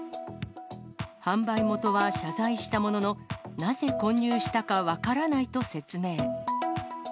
販売元は謝罪したものの、なぜ混入したか分からないと説明。